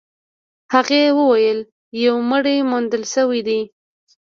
هغې وويل يو مړی موندل شوی دی.